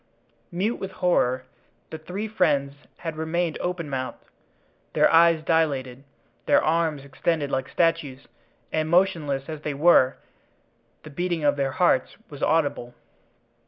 Mute with horror, the three friends had remained open mouthed, their eyes dilated, their arms extended like statues, and, motionless as they were, the beating of their hearts was audible.